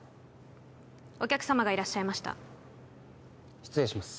お客様がいらっしゃいました失礼します